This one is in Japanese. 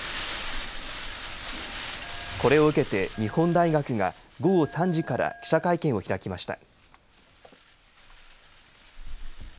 これを受けて日本大学が午後３時から記者会見を開きました。